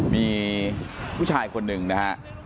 มีผู้ชายคนหนึ่งนะฮะ